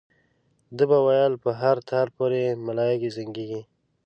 ده به ویل په هر تار پورې ملایکې زنګېږي.